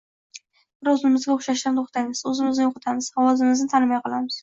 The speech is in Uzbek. Biz o‘zimizga o‘xshashdan to‘xtaymiz, o‘zimizni yo‘qotamiz, ovozimizni tanimay qolamiz.